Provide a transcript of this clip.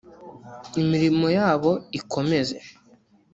imirimo yabo ikomeze